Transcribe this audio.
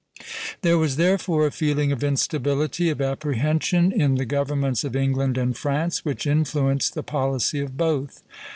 There was therefore a feeling of instability, of apprehension, in the governments of England and France, which influenced the policy of both.